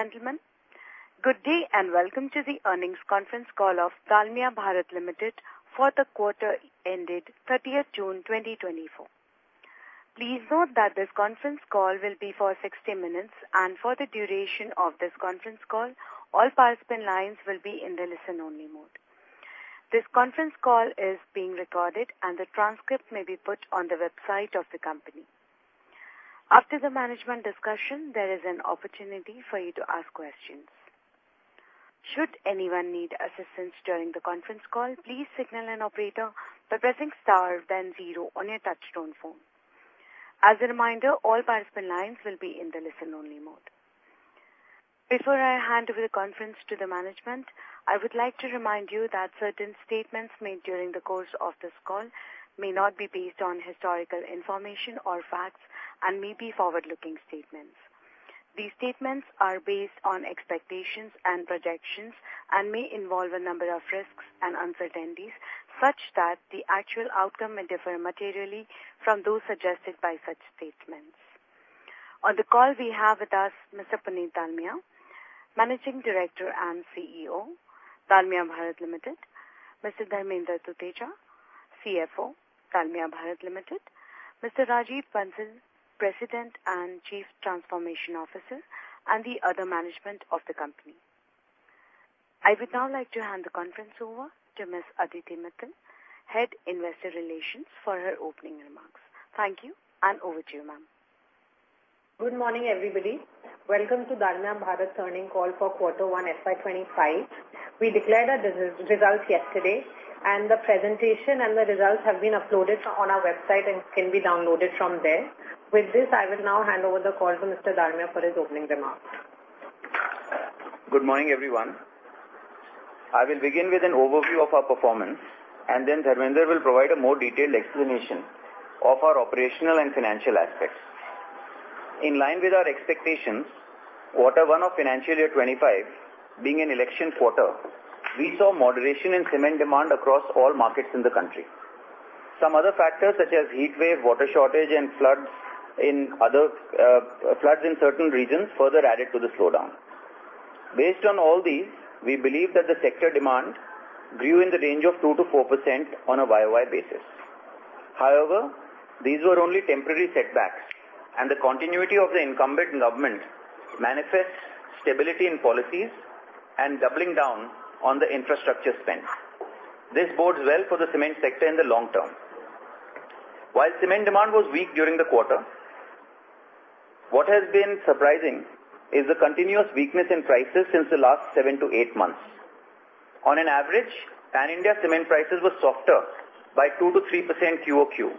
Gentlemen, good day, and welcome to the earnings conference call of Dalmia Bharat Limited for the quarter ended 30th June 2024. Please note that this conference call will be for 60 minutes, and for the duration of this conference call, all participant lines will be in the listen-only mode. This conference call is being recorded, and the transcript may be put on the website of the company. After the management discussion, there is an opportunity for you to ask questions. Should anyone need assistance during the conference call, please signal an operator by pressing star, then zero on your touchtone phone. As a reminder, all participant lines will be in the listen-only mode. Before I hand over the conference to the management, I would like to remind you that certain statements made during the course of this call may not be based on historical information or facts and may be forward-looking statements. These statements are based on expectations and projections and may involve a number of risks and uncertainties, such that the actual outcome may differ materially from those suggested by such statements. On the call, we have with us Mr. Puneet Dalmia, Managing Director and CEO, Dalmia Bharat Limited, Mr. Dharmender Tuteja, CFO, Dalmia Bharat Limited, Mr. Rajiv Bansal, President and Chief Transformation Officer, and the other management of the company. I would now like to hand the conference over to Ms. Aditi Mittal, Head, Investor Relations, for her opening remarks. Thank you, and over to you, ma'am. Good morning, everybody. Welcome to Dalmia Bharat earnings call for quarter one FY 2025. We declared our results yesterday, and the presentation and the results have been uploaded on our website and can be downloaded from there. With this, I will now hand over the call to Mr. Dalmia for his opening remarks. Good morning, everyone. I will begin with an overview of our performance, and then Dharmender will provide a more detailed explanation of our operational and financial aspects. In line with our expectations, quarter one of financial year 2025, being an election quarter, we saw moderation in cement demand across all markets in the country. Some other factors, such as heat wave, water shortage, and floods in other, floods in certain regions, further added to the slowdown. Based on all these, we believe that the sector demand grew in the range of 2%-4% on a YOY basis. However, these were only temporary setbacks, and the continuity of the incumbent government manifests stability in policies and doubling down on the infrastructure spend. This bodes well for the cement sector in the long term. While cement demand was weak during the quarter, what has been surprising is the continuous weakness in prices since the last 7-8 months. On an average, Pan-India cement prices were softer by 2%-3% QOQ,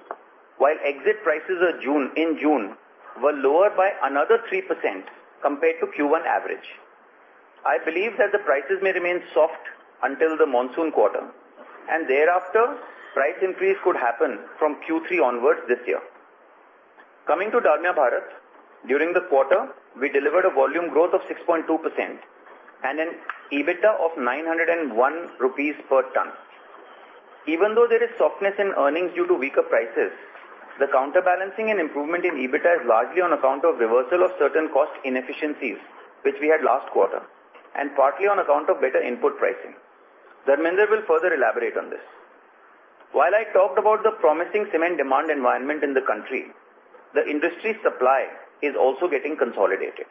while exit prices of June, in June, were lower by another 3% compared to Q1 average. I believe that the prices may remain soft until the monsoon quarter, and thereafter price increase could happen from Q3 onwards this year. Coming to Dalmia Bharat, during the quarter, we delivered a volume growth of 6.2% and an EBITDA of 901 rupees per ton. Even though there is softness in earnings due to weaker prices, the counterbalancing and improvement in EBITDA is largely on account of reversal of certain cost inefficiencies, which we had last quarter, and partly on account of better input pricing. Dharmender will further elaborate on this. While I talked about the promising cement demand environment in the country, the industry supply is also getting consolidated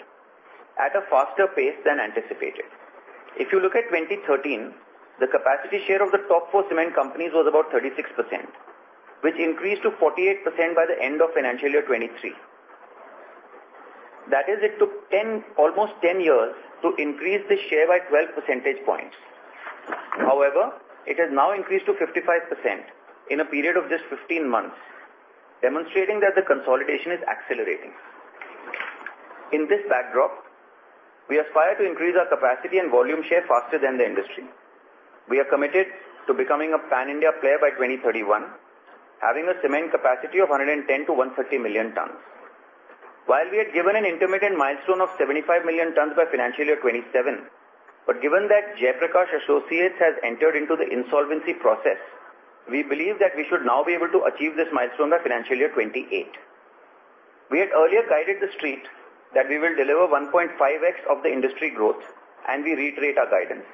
at a faster pace than anticipated. If you look at 2013, the capacity share of the top four cement companies was about 36%, which increased to 48% by the end of financial year 2023. That is, it took 10, almost 10 years to increase the share by 12 percentage points. However, it has now increased to 55% in a period of just 15 months, demonstrating that the consolidation is accelerating. In this backdrop, we aspire to increase our capacity and volume share faster than the industry. We are committed to becoming a Pan-India player by 2031, having a cement capacity of 110-130 million tons. While we had given an intermittent milestone of 75 million tons by financial year 2027, but given that Jaiprakash Associates has entered into the insolvency process, we believe that we should now be able to achieve this milestone by financial year 2028. We had earlier guided the street that we will deliver 1.5x of the industry growth, and we reiterate our guidance.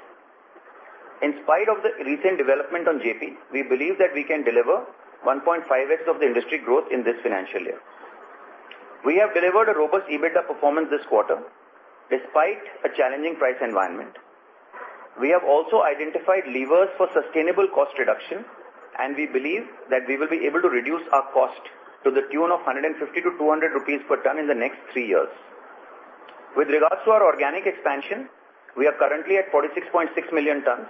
In spite of the recent development on JP, we believe that we can deliver 1.5x of the industry growth in this financial year. We have delivered a robust EBITDA performance this quarter, despite a challenging price environment. We have also identified levers for sustainable cost reduction, and we believe that we will be able to reduce our cost to the tune of 150-200 rupees per ton in the next three years. With regards to our organic expansion, we are currently at 46.6 million tons,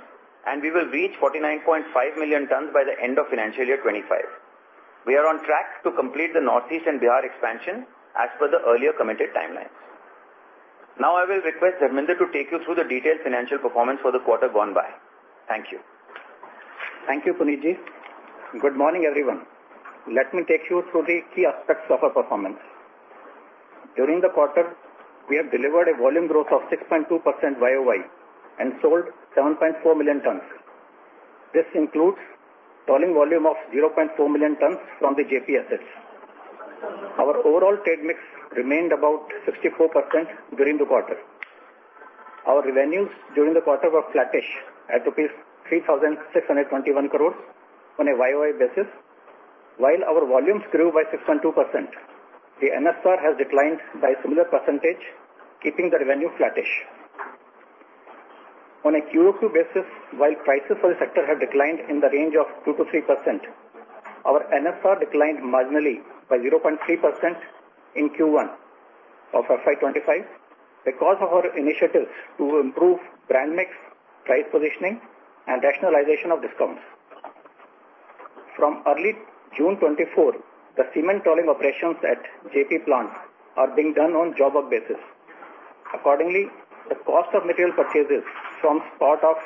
and we will reach 49.5 million tons by the end of financial year 2025. We are on track to complete the Northeast and Bihar expansion as per the earlier committed timelines. Now I will request Dharmender to take you through the detailed financial performance for the quarter gone by. Thank you. Thank you, Puneet Ji. Good morning, everyone. Let me take you through the key aspects of our performance. During the quarter, we have delivered a volume growth of 6.2% YOY and sold 7.4 million tons. This includes tolling volume of 0.2 million tons from the JP assets. Our overall trade mix remained about 64% during the quarter. Our revenues during the quarter were flattish at rupees 3,621 crores on a YOY basis. While our volumes grew by 6.2%, the NSR has declined by a similar percentage, keeping the revenue flattish. On a QoQ basis, while prices for the sector have declined in the range of 2%-3%, our NSR declined marginally by 0.3% in Q1 of FY 2025, because of our initiatives to improve brand mix, price positioning, and rationalization of discounts. From early June 2024, the cement tolling operations at JP plant are being done on job work basis. Accordingly, the cost of material purchases form part of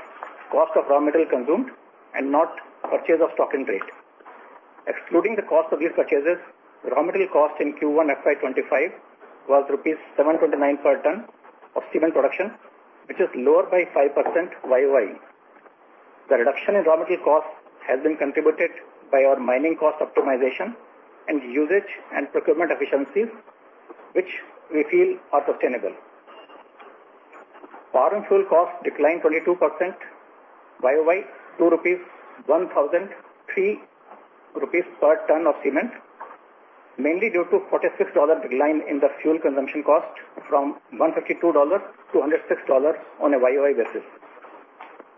cost of raw material consumed and not purchase of stock in trade. Excluding the cost of these purchases, raw material cost in Q1 FY 2025 was 729 rupees per ton of cement production, which is lower by 5% YoY. The reduction in raw material cost has been contributed by our mining cost optimization and usage and procurement efficiencies, which we feel are sustainable. Power and fuel costs declined 22% YOY to INR 1,003 per ton of cement, mainly due to $46 decline in the fuel consumption cost from $152 to $106 on a YOY basis.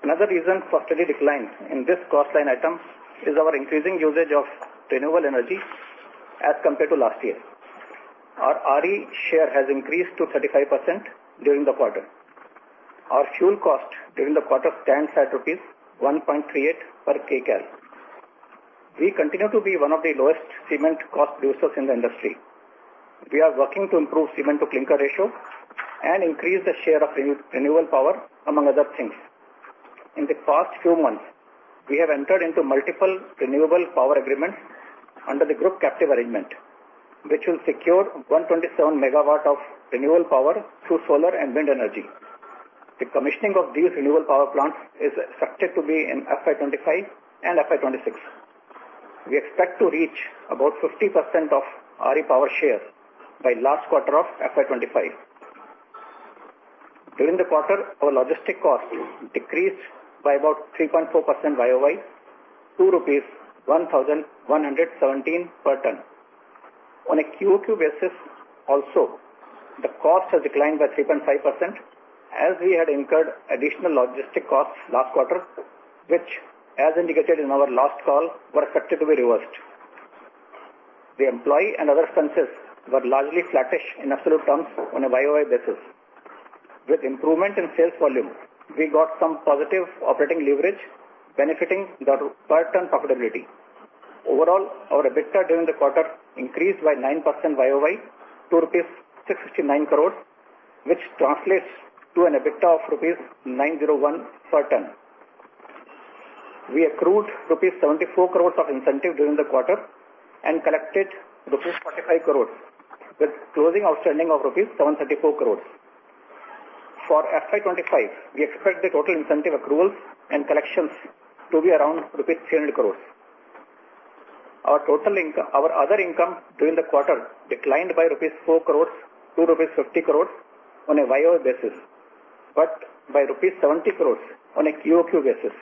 Another reason for steady decline in this cost line item is our increasing usage of renewable energy as compared to last year. Our RE share has increased to 35% during the quarter. Our fuel cost during the quarter stands at rupees 1.38 per Kcal. We continue to be one of the lowest cement cost producers in the industry. We are working to improve cement to clinker ratio and increase the share of renewable power, among other things. In the past few months, we have entered into multiple renewable power agreements under the group captive arrangement, which will secure 127 MW of renewable power through solar and wind energy. The commissioning of these renewable power plants is expected to be in FY 2025 and FY 2026. We expect to reach about 50% of RE power share by last quarter of FY 2025. During the quarter, our logistic costs decreased by about 3.4% YOY to INR 1,117 per ton. On a QOQ basis also, the cost has declined by 3.5%, as we had incurred additional logistic costs last quarter, which, as indicated in our last call, were expected to be reversed. The employee and other expenses were largely flattish in absolute terms on a YOY basis. With improvement in sales volume, we got some positive operating leverage benefiting the per ton profitability. Overall, our EBITDA during the quarter increased by 9% YOY to 669 crore rupees, which translates to an EBITDA of 901 rupees per ton. We accrued 74 crore rupees of incentive during the quarter and collected 45 crore rupees, with closing outstanding of 734 crore rupees. For FY 2025, we expect the total incentive accruals and collections to be around rupees 300 crore. Our total income, our other income during the quarter declined by rupees 4 crore to rupees 50 crore on a YOY basis, but by rupees 70 crore on a QOQ basis,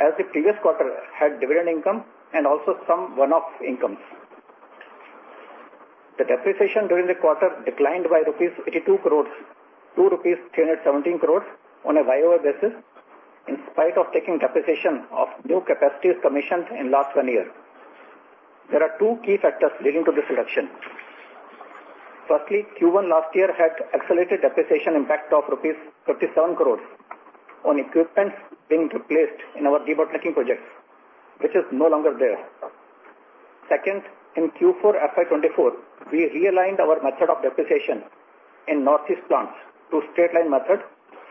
as the previous quarter had dividend income and also some one-off incomes. The depreciation during the quarter declined by rupees 82 crore to rupees 317 crore on a YOY basis, in spite of taking depreciation of new capacities commissioned in last one year. There are two key factors leading to this reduction. Firstly, Q1 last year had accelerated depreciation impact of rupees 37 crore on equipment being replaced in our debottlenecking projects, which is no longer there. Second, in Q4 FY 2024, we realigned our method of depreciation in Northeast plants to straight-line method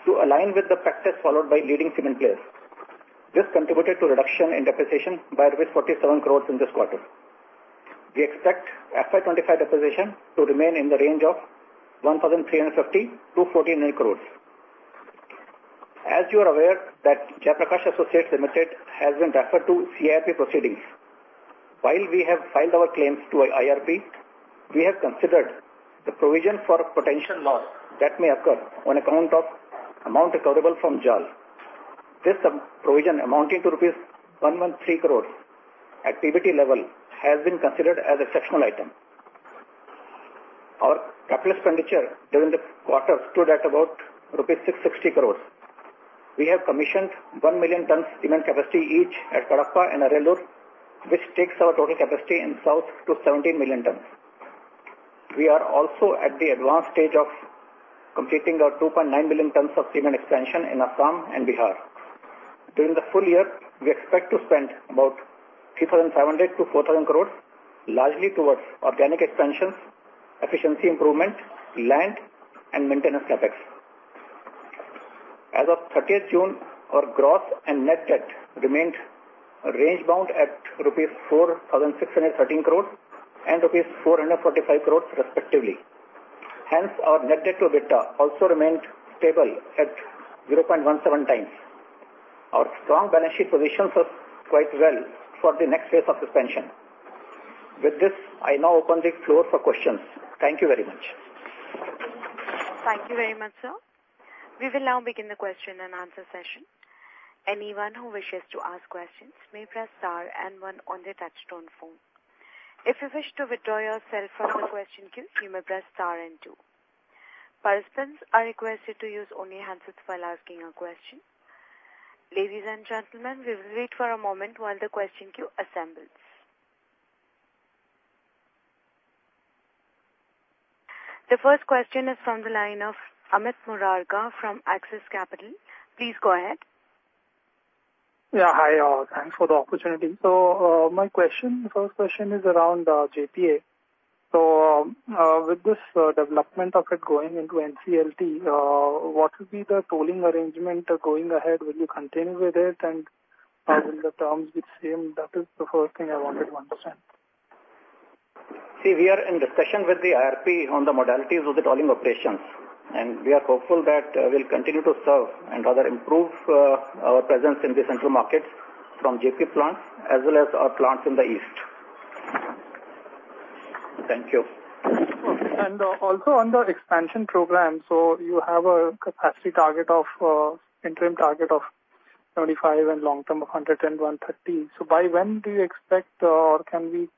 to align with the practice followed by leading cement players. This contributed to reduction in depreciation by INR 47 crore in this quarter. We expect FY 2025 depreciation to remain in the range of 1,350-1,490 crore. As you are aware that Jaiprakash Associates Limited has been referred to CIRP proceedings. While we have filed our claims to IRP, we have considered the provision for potential loss that may occur on account of amount recoverable from JAL. This sub-provision, amounting to 113 crore rupees, at EBITD level, has been considered as a sectional item. Our capital expenditure during the quarter stood at about rupees 660 crore. We have commissioned one million tons cement capacity each at Kadapa and Ariyalur, which takes our total capacity in South to 17 million tons. We are also at the advanced stage of completing our 2.9 million tons of cement expansion in Assam and Bihar. During the full year, we expect to spend about 3,700-4,000 crore, largely towards organic expansions, efficiency improvement, land and maintenance CapEx. As of 30th June, our gross and net debt remained range bound at rupees 4,613 crore and rupees 445 crore, respectively. Hence, our net debt to EBITDA also remained stable at 0.17 times. Our strong financial positions are quite well for the next phase of expansion. With this, I now open the floor for questions. Thank you very much. Thank you very much, sir. We will now begin the question-and-answer session. Anyone who wishes to ask questions may press star and one on their touchtone phone. If you wish to withdraw yourself from the question queue, you may press star and two. Participants are requested to use only handsets while asking a question. Ladies and gentlemen, we will wait for a moment while the question queue assembles. The first question is from the line of Amit Murarka from Axis Capital. Please go ahead. Yeah. Hi, all. Thanks for the opportunity. My question, the first question is around JPA. With this development of it going into NCLT, what will be the tolling arrangement going ahead? Will you continue with it, and will the terms be the same? That is the first thing I wanted to understand. See, we are in discussion with the IRP on the modalities of the tolling operations, and we are hopeful that we'll continue to serve and rather improve our presence in the central markets from JPA plants as well as our plants in the east. Thank you. Okay. Also on the expansion program, so you have a capacity target of, interim target of 35 and long term of 100 and 130. By when do you expect, or can we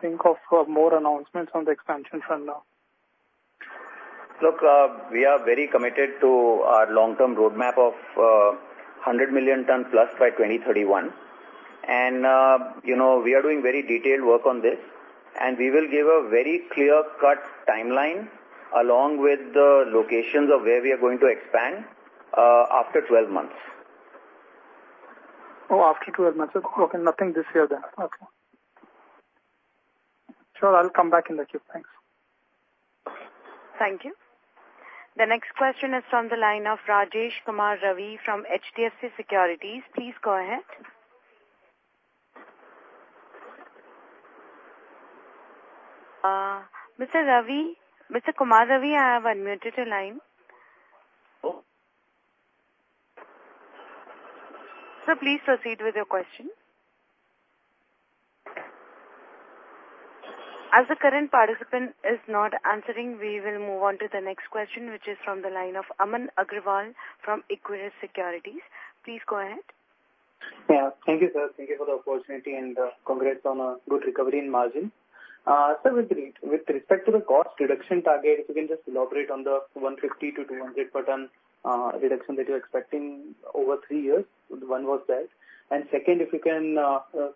think of, more announcements on the expansion front now? Look, we are very committed to our long-term roadmap of 100 million ton plus by 2031. And, you know, we are doing very detailed work on this, and we will give a very clear-cut timeline, along with the locations of where we are going to expand, after 12 months. Oh, after 12 months. Okay, nothing this year then. Okay. Sure, I'll come back in the queue. Thanks. Thank you. The next question is from the line of Rajesh Kumar Ravi from HDFC Securities. Please go ahead. Mr. Ravi, Mr. Kumar, Ravi, I have unmuted your line. Oh. Sir, please proceed with your question. As the current participant is not answering, we will move on to the next question, which is from the line of Aman Agrawal from Equirus Securities. Please go ahead. Yeah. Thank you, sir. Thank you for the opportunity, and congrats on a good recovery in margin. With respect to the cost reduction target, if you can just elaborate on the 150%-200% reduction that you're expecting over three years. One was that. Second, if you can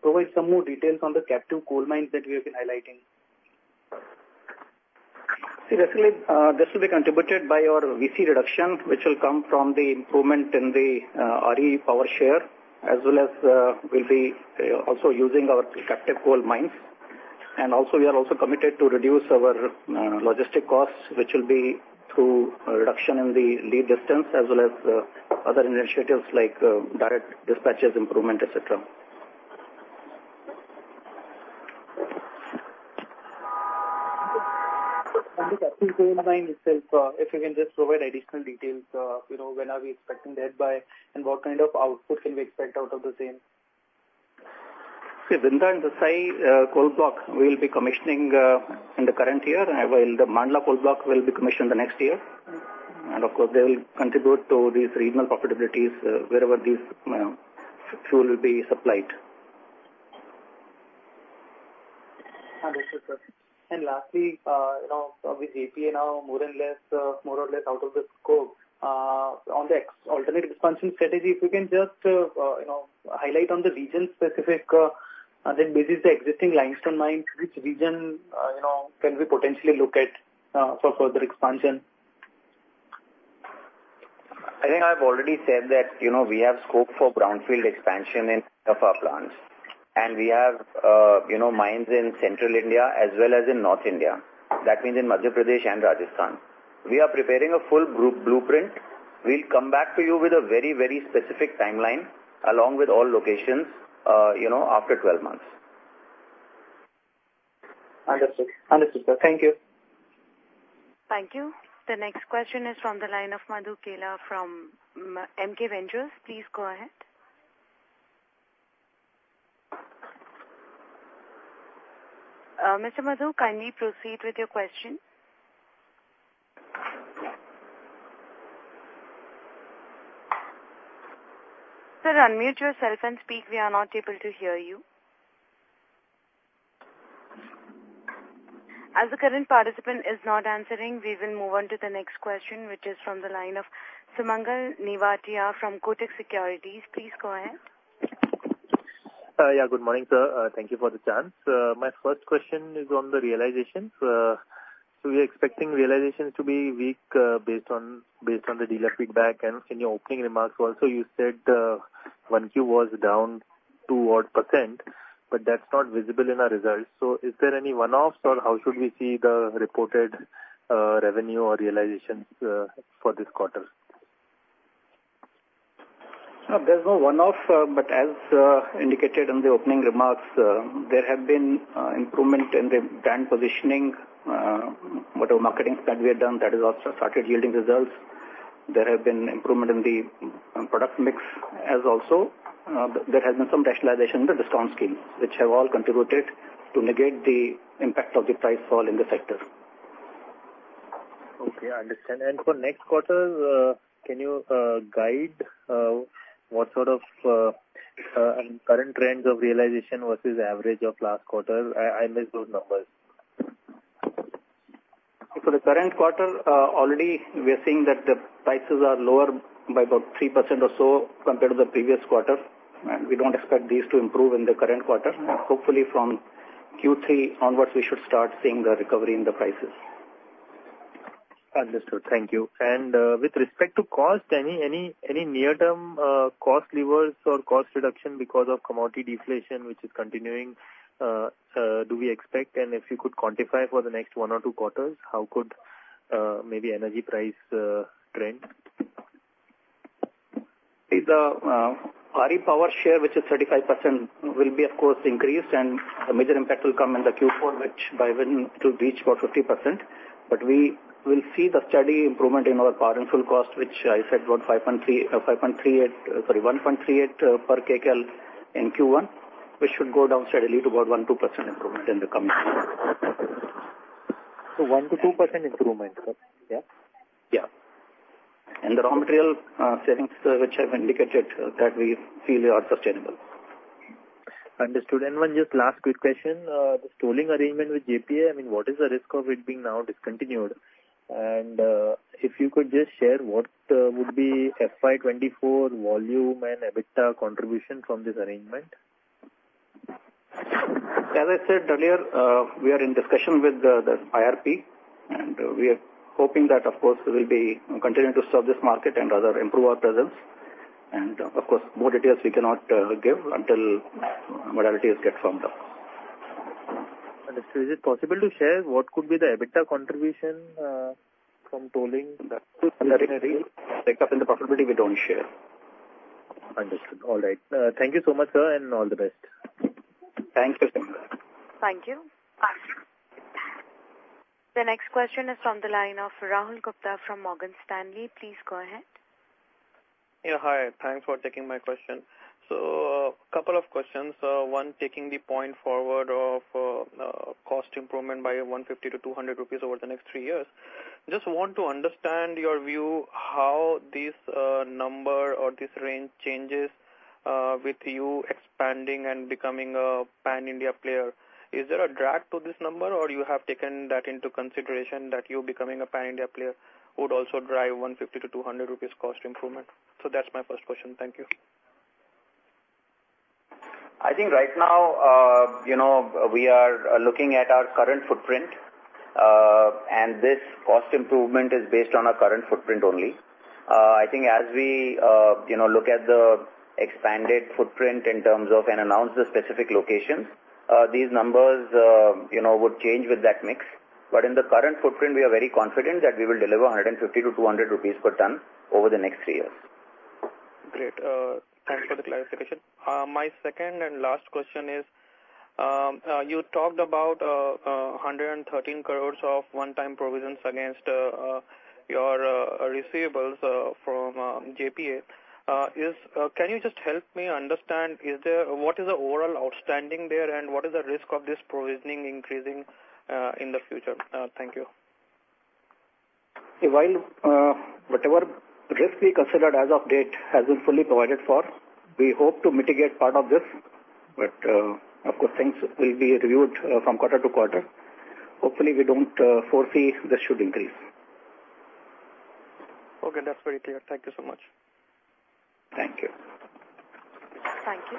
provide some more details on the captive coal mines that we have been highlighting. See, definitely, this will be contributed by our VC reduction, which will come from the improvement in the RE power share, as well as we'll be also using our captive coal mines. Also, we are also committed to reduce our logistics costs, which will be through a reduction in the lead distance, as well as other initiatives like direct dispatches, improvement, et cetera. The captive coal mine itself, if you can just provide additional details, you know, when are we expecting that by, and what kind of output can we expect out of the same? See, Vindhya and Sial Ghoghri coal block, we'll be commissioning in the current year, and while the Mandla coal block will be commissioned the next year. Of course, they will contribute to these regional profitabilities, wherever these fuel will be supplied. Understood, sir. Lastly, you know, with JPA now more or less out of the scope, on the alternative expansion strategy, if you can just, you know, highlight on the region-specific, that this is the existing limestone mine, which region, you know, can we potentially look at for further expansion? I think I've already said that, you know, we have scope for brownfield expansion in some of our plants, and we have, you know, mines in central India as well as in North India. That means in Madhya Pradesh and Rajasthan. We are preparing a full group blueprint. We'll come back to you with a very, very specific timeline, along with all locations, you know, after 12 months. Understood. Understood, sir. Thank you. Thank you. The next question is from the line of Madhu Kela from MK Ventures. Please go ahead. Mr. Madhu, kindly proceed with your question. Sir, unmute yourself and speak. We are not able to hear you. As the current participant is not answering, we will move on to the next question, which is from the line of Sumangal Nevatia from Kotak Securities. Please go ahead. Yeah, good morning, sir. Thank you for the chance. My first question is on the realization. We are expecting realizations to be weak, based on the dealer feedback. In your opening remarks also, you said, 1Q was down 2 odd %, but that's not visible in our results. Is there any one-offs, or how should we see the reported, revenue or realizations, for this quarter? No, there's no one-off, but as indicated in the opening remarks, there have been improvement in the brand positioning, whatever marketings that we have done, that has also started yielding results. There have been improvement in the product mix, as also, there has been some rationalization in the discount schemes, which have all contributed to negate the impact of the price fall in the sector. Okay, I understand. For next quarter, can you guide what sort of current trends of realization versus average of last quarter? I missed those numbers. For the current quarter, already we are seeing that the prices are lower by about 3% or so compared to the previous quarter, and we don't expect these to improve in the current quarter. Hopefully, from Q3 onwards, we should start seeing the recovery in the prices. Understood. Thank you. With respect to cost, any near-term cost levers or cost reduction because of commodity deflation, which is continuing, do we expect? If you could quantify for the next one or two quarters, how could maybe energy price trend? The RE power share, which is 35%, will of course be increased, and the major impact will come in the Q4, which by when it will reach about 50%. But we will see the steady improvement in our power and fuel cost, which I said about 5.3, 5.38—sorry, 1.38 per kcal in Q1, which should go down steadily to about 1-2% improvement in the coming. 1%-2% improvement, sir? Yeah. Yeah. The raw material settings, which I've indicated, that we feel are sustainable. Understood. One just last quick question. The tolling arrangement with JPA, I mean, what is the risk of it being now discontinued? If you could just share, what would be FY 2024 volume and EBITDA contribution from this arrangement? As I said earlier, we are in discussion with the IRP, and we are hoping that, of course, we will be continuing to serve this market and rather improve our presence. Of course, more details we cannot give until modalities get firmed up. Is it possible to share what could be the EBITDA contribution from tolling? That would be up in the possibility we don't share. Understood. All right. Thank you so much, sir, and all the best. Thank you. Thank you. The next question is from the line of Rahul Gupta from Morgan Stanley. Please go ahead. Yeah, hi. Thanks for taking my question. Couple of questions. One, taking the point forward of, cost improvement by 150-200 rupees over the next three years. Just want to understand your view, how this, number or this range changes, with you expanding and becoming a pan-India player. Is there a drag to this number, or you have taken that into consideration that you becoming a pan-India player would also drive 150-200 rupees cost improvement? That's my first question. Thank you. I think right now, you know, we are looking at our current footprint, and this cost improvement is based on our current footprint only. I think as we, you know, look at the expanded footprint in terms of and announce the specific locations, these numbers, you know, would change with that mix. But in the current footprint, we are very confident that we will deliver 150-200 rupees per ton over the next three years. Great. Thanks for the clarification. My second and last question is, you talked about 113 crore of one-time provisions against your receivables from JPA. Can you just help me understand, is there, what is the overall outstanding there, and what is the risk of this provisioning increasing in the future? Thank you. While, whatever risk we considered as of date has been fully provided for, we hope to mitigate part of this, but, of course, things will be reviewed from quarter to quarter. Hopefully, we don't, foresee this should increase. Okay, that's very clear. Thank you so much. Thank you. Thank you.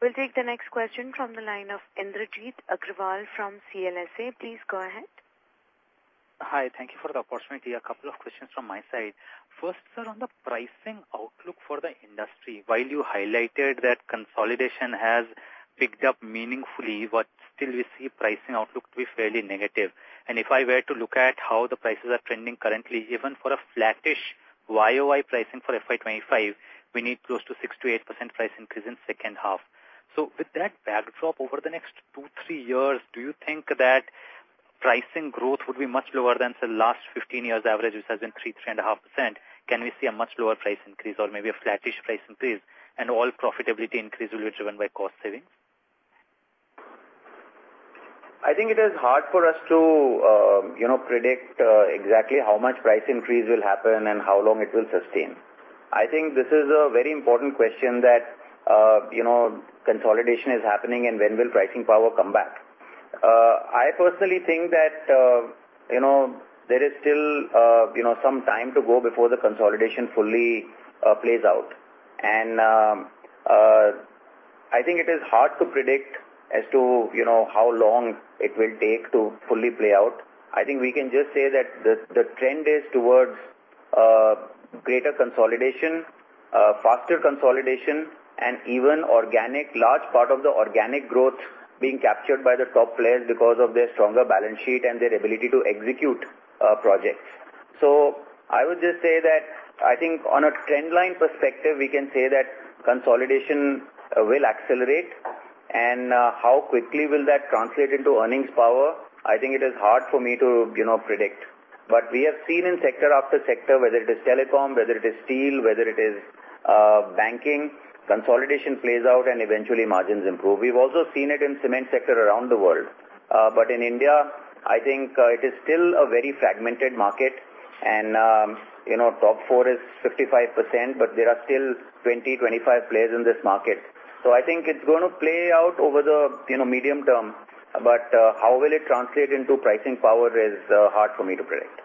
We'll take the next question from the line of Indrajit Agarwal from CLSA. Please go ahead. Hi. Thank you for the opportunity. A couple of questions from my side. First, sir, on the pricing outlook for the industry, while you highlighted that consolidation has picked up meaningfully, but still we see pricing outlook to be fairly negative. If I were to look at how the prices are trending currently, even for a flattish YOY pricing for FY 2025, we need close to 6%-8% price increase in second half. With that backdrop, over the next 2-3 years, do you think that pricing growth would be much lower than the last 15 years average, which has been 3-3.5%? Can we see a much lower price increase or maybe a flattish price increase, and all profitability increase will be driven by cost savings? I think it is hard for us to, you know, predict exactly how much price increase will happen and how long it will sustain. I think this is a very important question that, you know, consolidation is happening and when will pricing power come back? I personally think that, you know, there is still, you know, some time to go before the consolidation fully plays out. I think it is hard to predict as to, you know, how long it will take to fully play out. I think we can just say that the trend is towards greater consolidation, faster consolidation, and even organic, large part of the organic growth being captured by the top players because of their stronger balance sheet and their ability to execute projects. I would just say that I think on a trend line perspective, we can say that consolidation will accelerate. And how quickly will that translate into earnings power? I think it is hard for me to, you know, predict. But we have seen in sector after sector, whether it is telecom, whether it is steel, whether it is banking, consolidation plays out and eventually margins improve. We've also seen it in cement sector around the world. But in India, I think it is still a very fragmented market, and you know, top four is 55%, but there are still 20-25 players in this market. I think it's going to play out over the you know, medium term, but how will it translate into pricing power is hard for me to predict.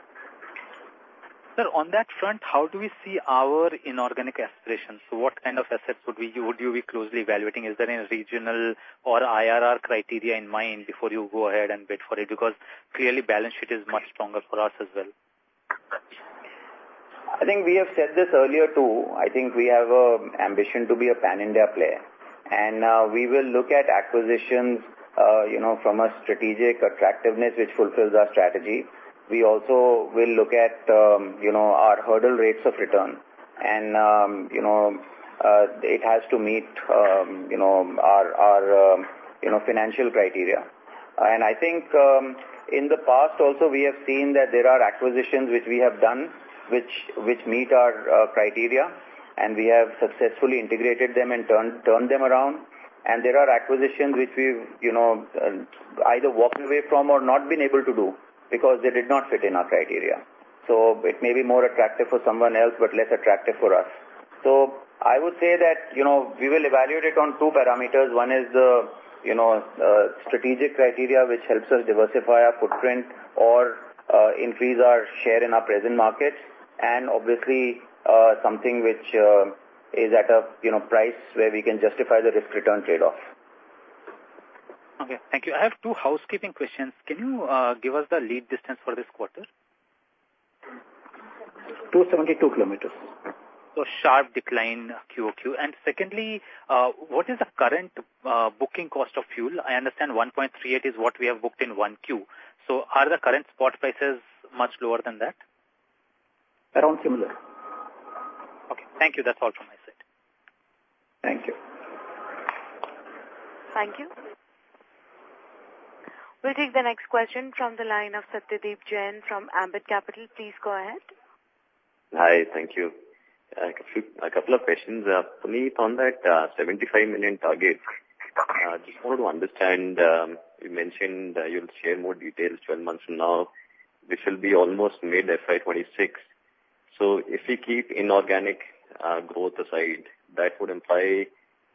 Sir, on that front, how do we see our inorganic aspirations? What kind of assets would we, would you be closely evaluating? Is there any regional or IRR criteria in mind before you go ahead and bid for it? Because clearly, balance sheet is much stronger for us as well. I think we have said this earlier, too. I think we have an ambition to be a pan-India player, and we will look at acquisitions, you know, from a strategic attractiveness which fulfills our strategy. We also will look at, you know, our hurdle rates of return. It has to meet, you know, our financial criteria. I think, in the past also, we have seen that there are acquisitions which we have done, which meet our criteria, and we have successfully integrated them and turned them around. There are acquisitions which we've, you know, either walked away from or not been able to do because they did not fit in our criteria. It may be more attractive for someone else, but less attractive for us. I would say that, you know, we will evaluate it on two parameters. One is the, you know, strategic criteria, which helps us diversify our footprint or, increase our share in our present markets, and obviously, something which, is at a, you know, price where we can justify the risk-return trade-off. Okay, thank you. I have two housekeeping questions. Can you give us the lead distance for this quarter? 272 km. Sharp decline QOQ. Secondly, what is the current booking cost of fuel? I understand 1.38 is what we have booked in 1Q. Are the current spot prices much lower than that? Around similar. Okay. Thank you. That's all from my side. Thank you. Thank you. We'll take the next question from the line of Satyadeep Jain from Ambit Capital. Please go ahead. Hi, thank you. A few-- a couple of questions. Puneet, on that, 75 million target, just want to understand, you mentioned that you'll share more details 12 months from now, which will be almost mid FY 2026. If we keep inorganic, growth aside, that would imply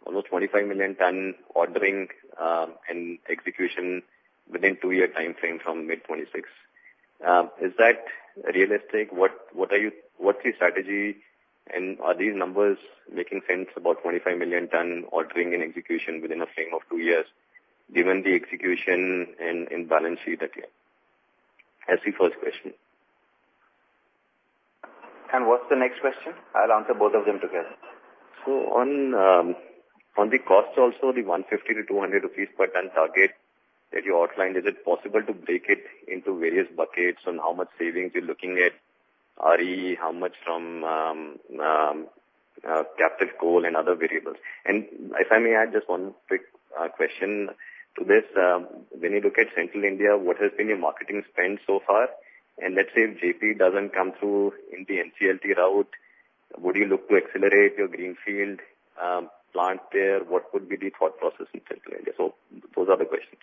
almost 25 million ton ordering, and execution within two-year timeframe from mid 2026. Is that realistic? What are you-- what's the strategy? Are these numbers making sense about 25 million ton ordering and execution within a frame of 2 years, given the execution and balance sheet that you have? That's the first question. What's the next question? I'll answer both of them together. On the cost also, the 150-200 rupees per ton target that you outlined, is it possible to break it into various buckets on how much savings you're looking at, RE, how much from, captive coal and other variables? And if I may add just one quick question to this. When you look at Central India, what has been your marketing spend so far? Let's say if JP doesn't come through in the NCLT route, would you look to accelerate your greenfield plant there? What would be the thought process in Central India? Those are the questions.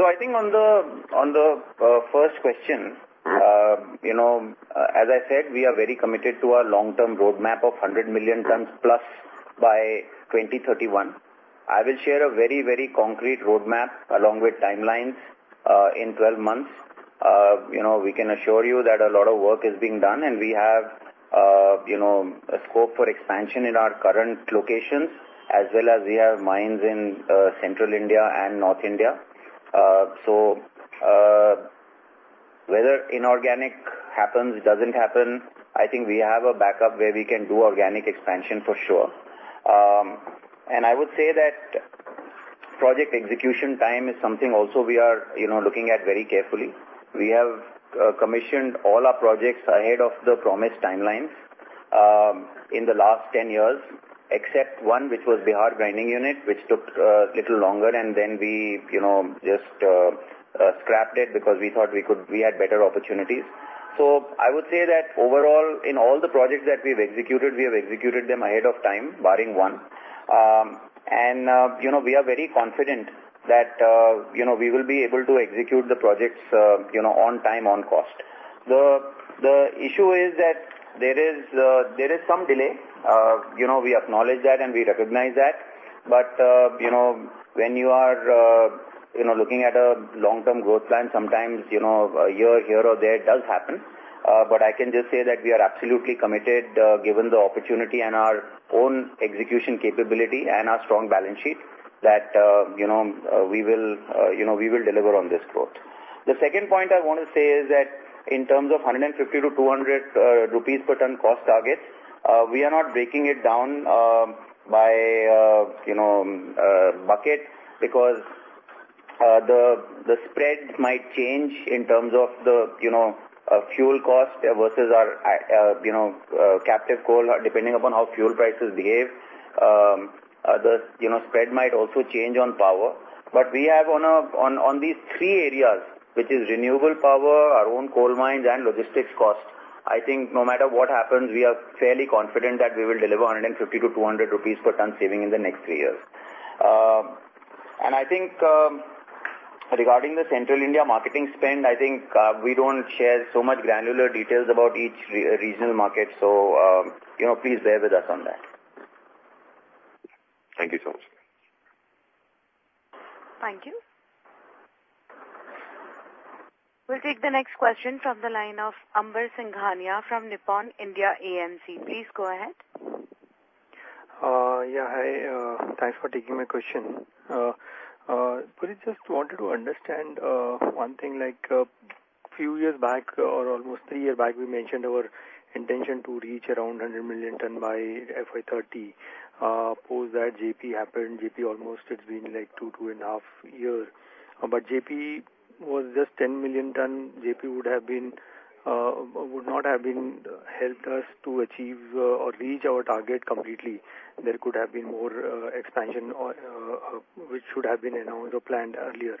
I think on the first question, you know, as I said, we are very committed to our long-term roadmap of 100 million tons plus by 2031. I will share a very, very concrete roadmap along with timelines in 12 months. You know, we can assure you that a lot of work is being done, and we have, you know, a scope for expansion in our current locations, as well as we have mines in Central India and North India. Whether inorganic happens, doesn't happen, I think we have a backup where we can do organic expansion for sure. And I would say that project execution time is something also we are, you know, looking at very carefully. We have commissioned all our projects ahead of the promised timelines in the last 10 years, except one, which was Bihar grinding unit, which took little longer, and then we, you know, just scrapped it because we thought we could-- we had better opportunities. I would say that overall, in all the projects that we've executed, we have executed them ahead of time, barring one. And you know, we are very confident that you know, we will be able to execute the projects you know, on time, on cost. The issue is that there is some delay. You know, we acknowledge that, and we recognize that. But you know, when you are you know, looking at a long-term growth plan, sometimes you know, a year here or there, it does happen. But I can just say that we are absolutely committed, given the opportunity and our own execution capability and our strong balance sheet, that, you know, we will, you know, we will deliver on this growth. The second point I want to say is that in terms of 150-200 rupees per ton cost targets, we are not breaking it down, by, you know, bucket, because, the, the spreads might change in terms of the, you know, fuel cost versus our, you know, captive coal, or depending upon how fuel prices behave. The, you know, spread might also change on power. But we have on these three areas, which is renewable power, our own coal mines and logistics cost. I think no matter what happens, we are fairly confident that we will deliver 150-200 rupees per ton saving in the next three years. And I think, regarding the central India marketing spend, I think, we don't share so much granular details about each regional market. You know, please bear with us on that. Thank you so much. Thank you. We'll take the next question from the line of Ambar Singhania from Nippon India AMC. Please go ahead. Yeah, hi. Thanks for taking my question. But I just wanted to understand one thing, like a few years back, or almost three years back, we mentioned our intention to reach around 100 million ton by FY 2030. Post that JP happened. JP almost it's been like two, 2.5 years. But JP was just 10 million ton. JP would have been would not have been helped us to achieve or reach our target completely. There could have been more expansion or which should have been announced or planned earlier.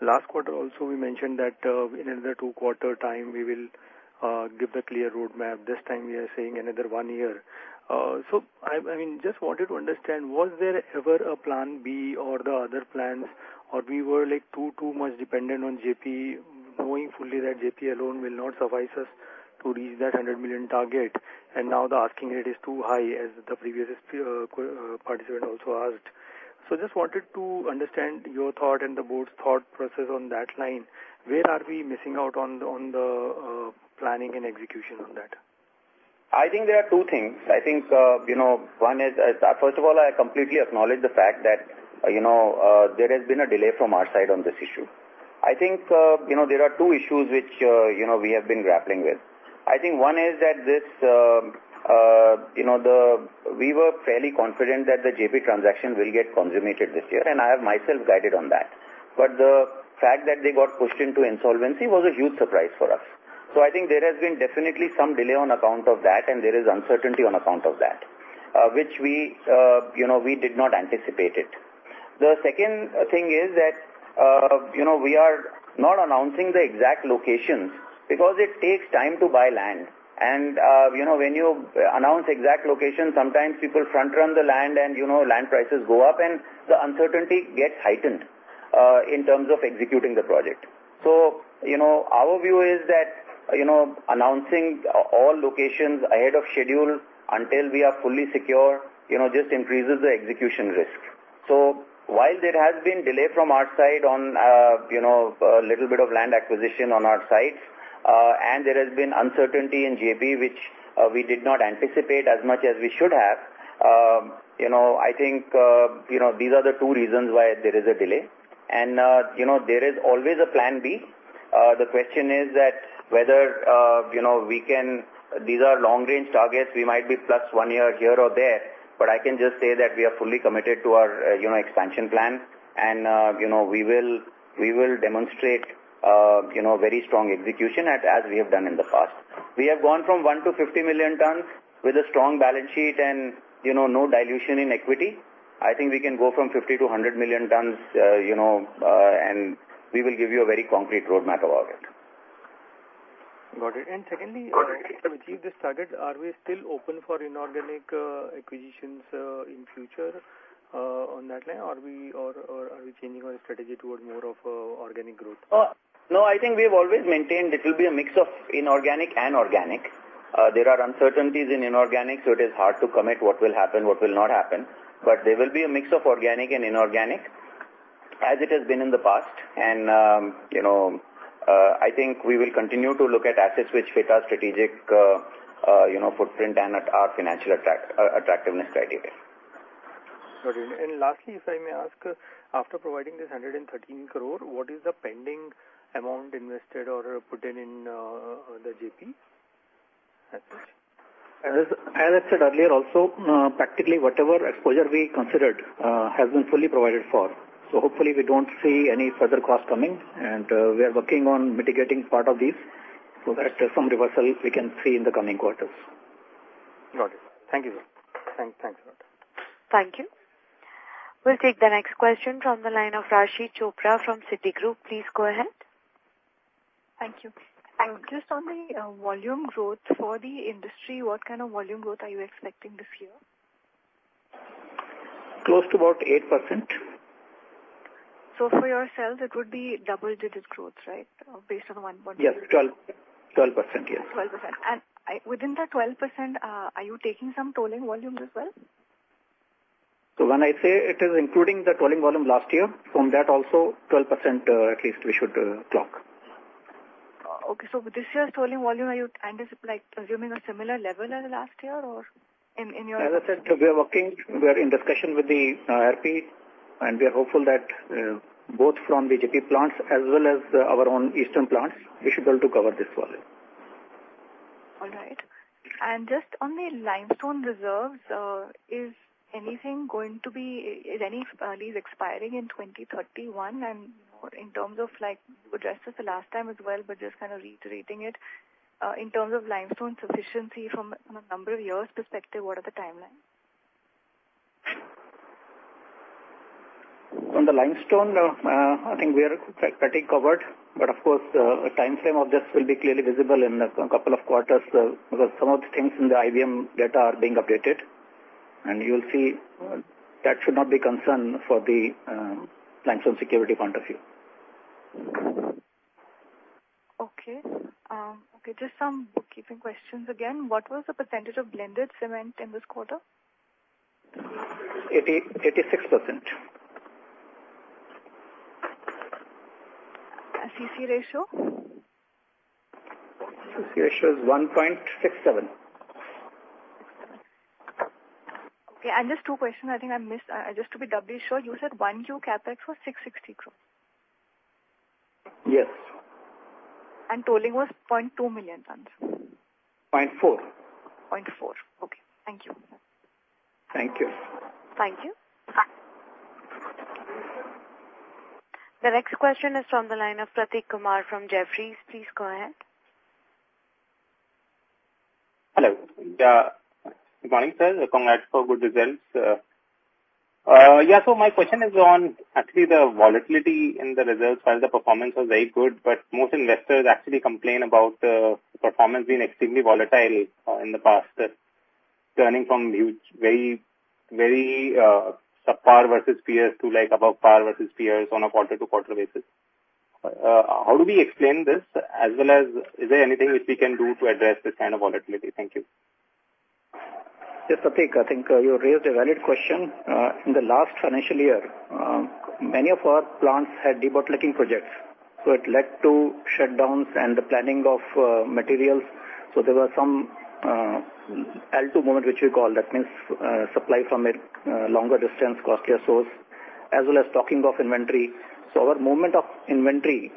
Last quarter also, we mentioned that in another two quarter time, we will give the clear roadmap. This time we are saying another one year. I mean, just wanted to understand, was there ever a plan B or the other plans, or we were, like, too much dependent on JP, knowing fully that JP alone will not suffice us to reach that 100 million target? Now the asking rate is too high, as the previous participant also asked. Just wanted to understand your thought and the board's thought process on that line. Where are we missing out on the planning and execution on that? I think there are two things. I think, you know, one is, first of all, I completely acknowledge the fact that, you know, there has been a delay from our side on this issue. I think, you know, there are two issues which, you know, we have been grappling with. I think one is that this, you know, we were fairly confident that the JP transaction will get consummated this year, and I have myself guided on that. But the fact that they got pushed into insolvency was a huge surprise for us. I think there has been definitely some delay on account of that, and there is uncertainty on account of that, which we, you know, we did not anticipate it. The second thing is that, you know, we are not announcing the exact locations because it takes time to buy land. You know, when you announce exact locations, sometimes people front run the land and, you know, land prices go up, and the uncertainty gets heightened, in terms of executing the project. You know, our view is that, you know, announcing all locations ahead of schedule until we are fully secure, you know, just increases the execution risk. While there has been delay from our side on, you know, a little bit of land acquisition on our sites, and there has been uncertainty in JP, which, we did not anticipate as much as we should have, you know, I think, you know, these are the two reasons why there is a delay. You know, there is always a plan B. The question is that whether, you know, we can—these are long range targets. We might be plus one year here or there, but I can just say that we are fully committed to our, you know, expansion plan. You know, we will, we will demonstrate, you know, very strong execution as, as we have done in the past. We have gone from 1 to 50 million tons with a strong balance sheet and, you know, no dilution in equity. I think we can go from 50 to 100 million tons, you know, and we will give you a very concrete roadmap about it. Got it. Secondly, this started, are we still open for inorganic acquisitions in future on that line or are we changing our strategy toward more of organic growth? No, I think we've always maintained it will be a mix of inorganic and organic. There are uncertainties in inorganic, so it is hard to commit what will happen, what will not happen. But there will be a mix of organic and inorganic, as it has been in the past. You know, I think we will continue to look at assets which fit our strategic, you know, footprint and our financial attractiveness criteria. Got it. Lastly, if I may ask, after providing this 113 crore, what is the pending amount invested or put in the JP? As I said earlier, also, practically whatever exposure we considered has been fully provided for. Hopefully we don't see any further cost coming, and we are working on mitigating part of these. Some reversal we can see in the coming quarters. Got it. Thank you. Thanks a lot. Thank you. We'll take the next question from the line of Raashi Chopra from Citigroup. Please go ahead. Thank you. Just on the volume growth for the industry, what kind of volume growth are you expecting this year? Close to about 8%. For yourselves, it would be double-digit growth, right? Based on the one point- Yes, 12. 12%, yes. 12%. Within that 12%, are you taking some tolling volumes as well? When I say it is including the tolling volume last year, from that also, 12%, at least we should clock. Okay. With this year's tolling volume, are you anticipating—like, assuming a similar level as last year, or in your-- As I said, we are working, we are in discussion with the RP, and we are hopeful that both from the JP plants as well as our own eastern plants, we should be able to cover this volume. All right. Just on the limestone reserves, is any lease expiring in 2031? More in terms of like, you addressed this the last time as well, but just kind of reiterating it, in terms of limestone sufficiency from a number of years perspective, what are the timelines? On the limestone, I think we are pretty covered, but of course, a timeframe of this will be clearly visible in a couple of quarters, because some of the things in the IBM data are being updated. You'll see, that should not be a concern for the limestone security point of view. Okay. Okay, just some bookkeeping questions again. What was the percentage of blended cement in this quarter? 86%. CC ratio? CC ratio is 1.67. 6/7. Okay, and just two questions. I think I missed. Just to be doubly sure, you said 1Q CapEx was 660 crore? Yes. Tolling was 0.2 million tons. 0.4. 0.4. Okay, thank you. Thank you. Thank you. The next question is from the line of Prateek Kumar from Jefferies. Please go ahead. Hello. Good morning, sir. Congrats for good results. Yeah, so my question is on actually the volatility in the results. While the performance was very good, but most investors actually complain about the performance being extremely volatile in the past, turning from huge, very, very subpar versus peers to, like, above par versus peers on a quarter-to-quarter basis. How do we explain this, as well as is there anything which we can do to address this kind of volatility? Thank you. Yes, Prateek, I think you raised a valid question. In the last financial year, many of our plants had debottlenecking projects, so it led to shutdowns and the planning of materials. There were some L2 movement, which we call, that means supply from a longer distance, costlier source, as well as stocking of inventory. Our movement of inventory,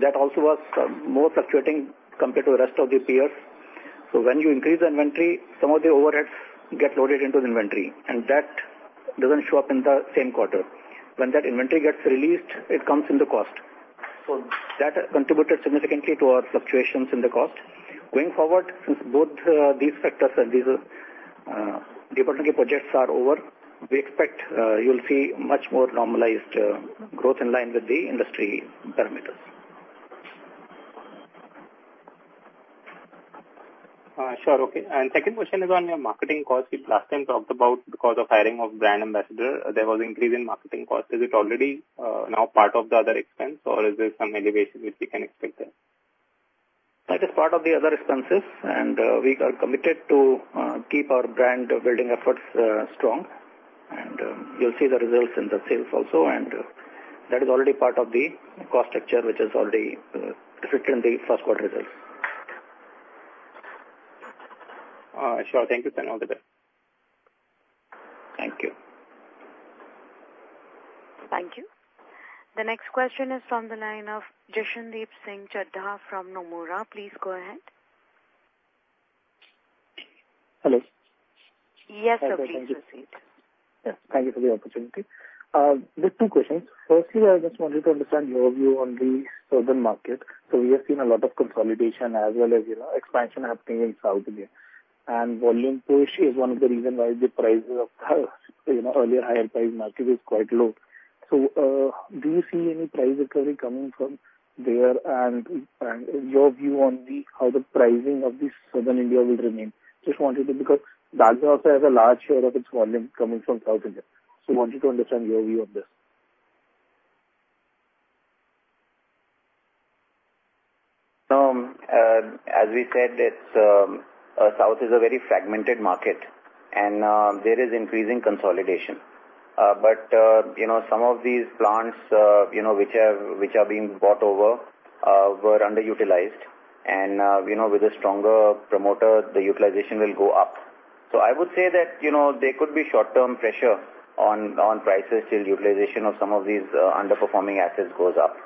that also was more fluctuating compared to the rest of the peers. When you increase the inventory, some of the overheads get loaded into the inventory, and that doesn't show up in the same quarter. When that inventory gets released, it comes in the cost. That contributed significantly to our fluctuations in the cost. Going forward, since both these factors and these debottlenecking projects are over, we expect you'll see much more normalized growth in line with the industry parameters. Sure. Okay. Second question is on your marketing costs. You last time talked about because of hiring of brand ambassador, there was an increase in marketing costs. Is it already, now part of the other expense, or is there some elevation which we can expect there? That is part of the other expenses, and we are committed to keep our brand building efforts strong. You'll see the results in the sales also, and that is already part of the cost structure, which is already reflected in the first quarter results. Sure. Thank you, sir. All the best. Thank you. Thank you. The next question is from the line of Jashandeep Singh Chadha from Nomura. Please go ahead. Hello. Yes, sir. Please proceed. Yes, thank you for the opportunity. Just two questions. Firstly, I just wanted to understand your view on the southern market. We have seen a lot of consolidation as well as, you know, expansion happening in South India. Volume push is one of the reasons why the prices of, you know, earlier higher price market is quite low. Do you see any price recovery coming from there? And, and your view on the, how the pricing of the Southern India will remain. Just wanted to because Dalmia also has a large share of its volume coming from South India, so wanted to understand your view of this. As we said, it's South is a very fragmented market, and there is increasing consolidation. But you know, some of these plants, you know, which have, which are being bought over, were underutilized. You know, with a stronger promoter, the utilization will go up. I would say that, you know, there could be short-term pressure on prices till utilization of some of these underperforming assets goes up.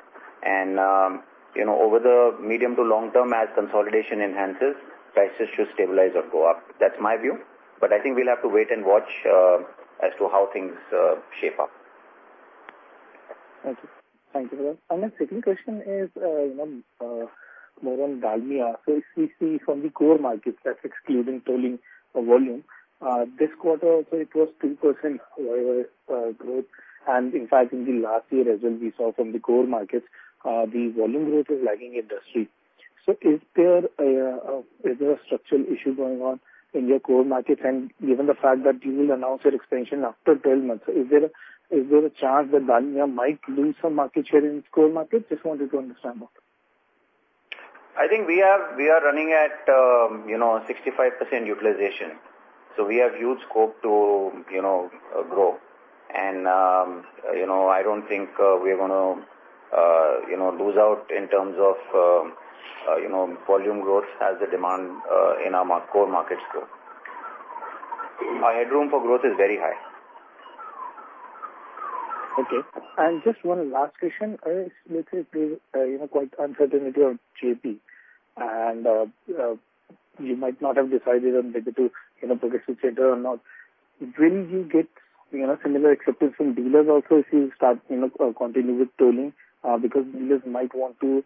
You know, over the medium to long term, as consolidation enhances, prices should stabilize or go up. That's my view. But I think we'll have to wait and watch as to how things shape up. Thank you. Thank you for that. My second question is, you know, more on Dalmia. If we see from the core markets, that's excluding tolling volume, this quarter also, it was 2% growth. In fact, in the last year as well, we saw from the core markets, the volume growth is lagging industry. Is there a structural issue going on in your core markets? Given the fact that you will announce your expansion after 12 months, is there a chance that Dalmia might lose some market share in its core markets? Just wanted to understand about it. I think we are running at, you know, 65% utilization. We have huge scope to, you know, grow. And, you know, I don't think we are gonna, you know, lose out in terms of, you know, volume growth as the demand in our core markets grow. Our headroom for growth is very high. Okay. Just one last question. Let's say there, you know, quite uncertainty on JP, and you might not have decided on whether to, you know, progress with JP or not. Will you get, you know, similar acceptance from dealers also if you start, you know, continue with tolling? Because dealers might want to,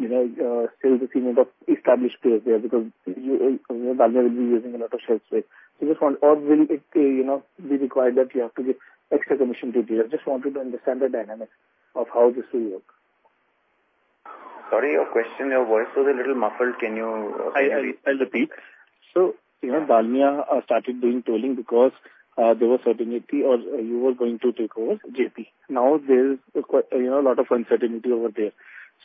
you know, stay with the kind of established players there, because you, Dalmia will be using a lot of shelf space. Just want or will it, you know, be required that you have to give extra commission to dealers? Just wanted to understand the dynamics of how this will work. Sorry, your question, your voice was a little muffled. Can you? I'll repeat. You know, Dalmia started doing tolling because there was certainty or you were going to take over JP. Now, there's quite, you know, a lot of uncertainty over there.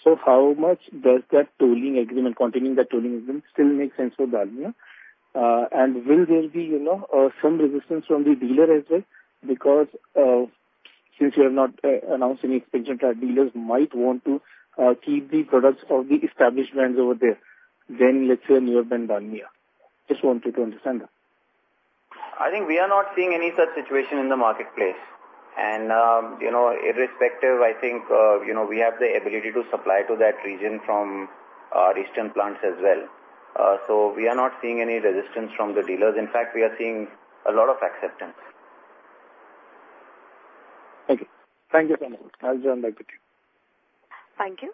How much does that tolling agreement, continuing that tolling agreement still make sense for Dalmia? And will there be, you know, some resistance from the dealer as well? Because since you have not announced any expansion, our dealers might want to keep the products of the established brands over there, than let's say a newer brand, Dalmia. Just wanted to understand that. I think we are not seeing any such situation in the marketplace. You know, irrespective, I think, you know, we have the ability to supply to that region from eastern plants as well. We are not seeing any resistance from the dealers. In fact, we are seeing a lot of acceptance. Thank you. Thank you so much. I'll join back with you. Thank you.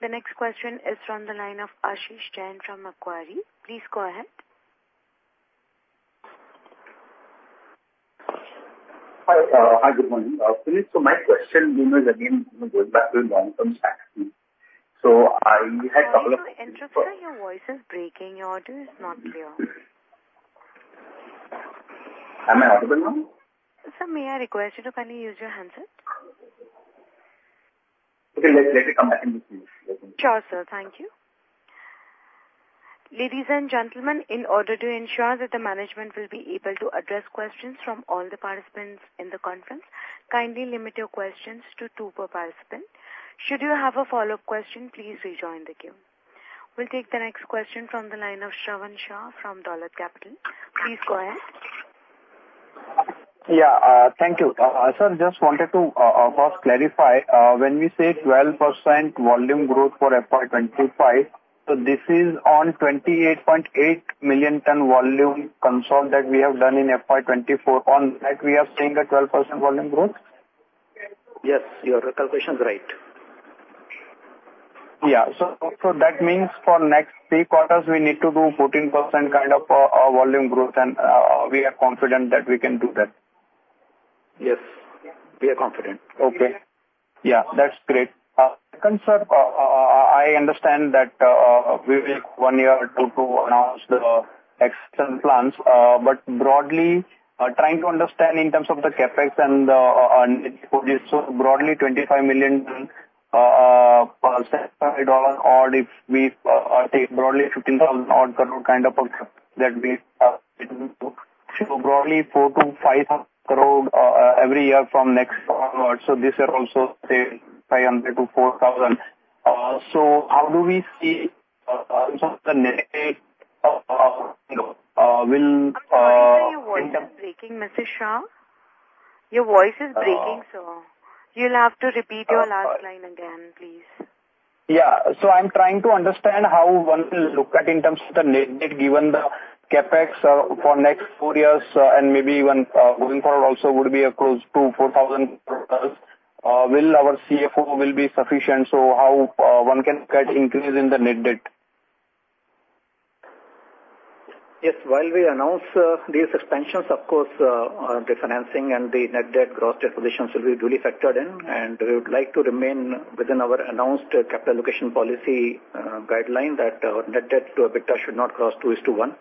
The next question is from the line of Ashish Jain from Macquarie. Please go ahead. Hi, hi, good morning. My question, you know, is again, you know, going back to the long-term strategy. I had a couple of-- Sorry to interrupt, sir. Your voice is breaking. Your audio is not clear. Am I audible now? Sir, may I request you to kindly use your handset? Okay, let me come back in, please. Sure, sir. Thank you. Ladies and gentlemen, in order to ensure that the management will be able to address questions from all the participants in the conference, kindly limit your questions to two per participant. Should you have a follow-up question, please rejoin the queue. We'll take the next question from the line of Shravan Shah from Dolat Capital. Please go ahead. Yeah, thank you. I, sir, just wanted to first clarify when we say 12% volume growth for FY 2025, so this is on 28.8 million ton volume [consensus] that we have done in FY 2024, on that we are seeing a 12% volume growth? Yes, your calculation is right. Yeah. That means for next three quarters, we need to do 14% kind of volume growth, and we are confident that we can do that. Yes, we are confident. Okay. Yeah, that's great. Second, sir, I understand that we will take one year or two to announce the external plans. But broadly, trying to understand in terms of the CapEx and on broadly $25 million [per dollar], or if we take broadly 15,000-odd crore kind of [concept that we have to]. Broadly 4,000-5,000 crore every year from next forward. This year also, say, 500-4,000. How do we see the net, you know, will- Sorry, sir, your voice is breaking, Mr. Shah. Your voice is breaking, sir. You'll have to repeat your last line again, please. Yeah. I'm trying to understand how one will look at in terms of the net debt, given the CapEx for next four years, and maybe even going forward also would be close to 4,000 crore. Will our CFO will be sufficient? How one can get increase in the net debt? Yes, while we announce these expansions, of course, the financing and the net debt, gross debt positions will be duly factored in, and we would like to remain within our announced capital allocation policy, guideline that our net debt to EBITDA should not cross 2:1.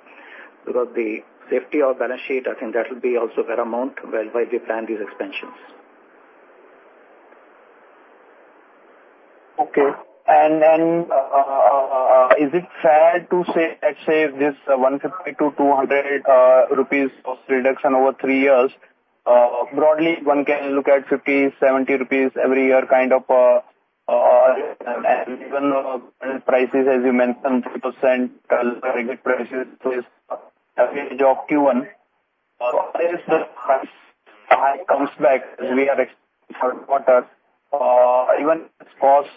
Because the safety of balance sheet, I think that will be also paramount while we plan these expansions. Okay. Is it fair to say, let's say, this 150-200 rupees of reduction over three years? Broadly, one can look at 50-70 rupees every year, kind of, and even the prices, as you mentioned, 3% target prices is average of Q1. Comes back, we are third quarter, even cost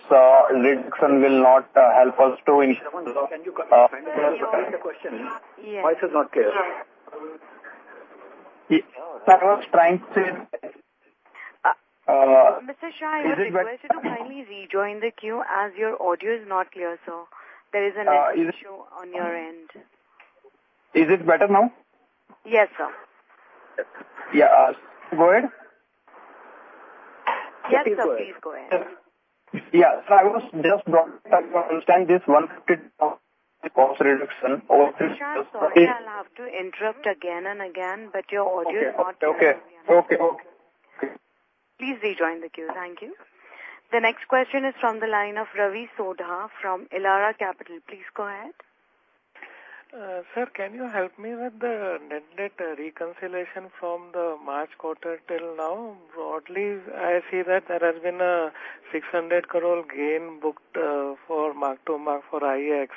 reduction will not help us to increase-- Shravan, can you come again? Repeat the question. Yes. Voice is not clear. Yeah. Sir, I was trying to say, Mr. Shah, I request you to kindly rejoin the queue, as your audio is not clear, sir. There is an issue on your end. Is it better now? Yes, sir. Yeah. Go ahead? Yes, sir. Please go ahead. Yeah. I was just trying to understand this INR 150 cost reduction over this-- Mr. Shah, sorry, I'll have to interrupt again and again, but your audio is not clear. Okay. Okay, okay. Please rejoin the queue. Thank you. The next question is from the line of Ravi Sodah from Elara Capital. Please go ahead. Sir, can you help me with the net debt reconciliation from the March quarter till now? Broadly, I see that there has been a 600 crore gain booked for mark-to-market for IEX,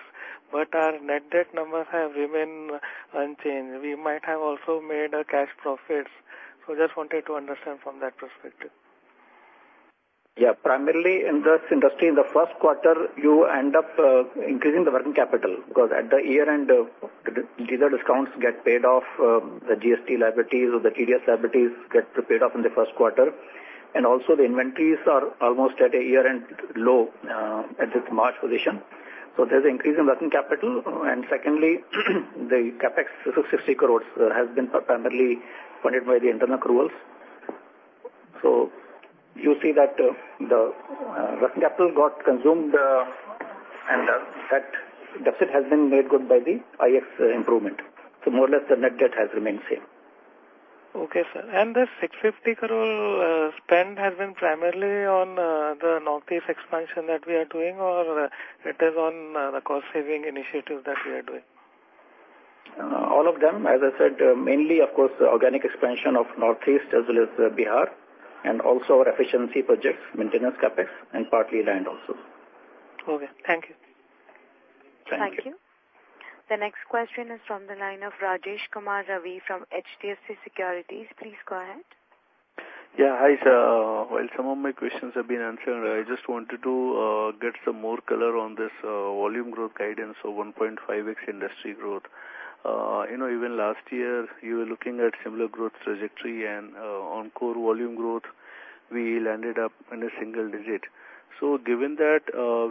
but our net debt numbers have remained unchanged. We might have also made a cash profits. Just wanted to understand from that perspective. Yeah, primarily in this industry, in the first quarter, you end up increasing the working capital, because at the year-end, the dealer discounts get paid off, the GST liabilities or the TDS liabilities get paid off in the first quarter. Also the inventories are almost at a year-end low, at this March position. There's an increase in working capital. Secondly, the CapEx 60 crore has been primarily funded by the internal accruals. You see that the working capital got consumed, and that deficit has been made good by the IEX improvement. More or less, the net debt has remained same. Okay, sir. The 650 crore spend has been primarily on the Northeast expansion that we are doing, or it is on the cost saving initiative that we are doing? All of them. As I said, mainly, of course, the organic expansion of Northeast as well as Bihar, and also our efficiency projects, maintenance CapEx, and partly land also. Okay. Thank you. Thank you. Thank you. The next question is from the line of Rajesh Kumar Ravi from HDFC Securities. Please go ahead. Yeah. Hi, sir. While some of my questions have been answered, I just wanted to get some more color on this volume growth guidance of 1.5x industry growth. You know, even last year, you were looking at similar growth trajectory, and on core volume growth, we landed up in a single digit. Given that,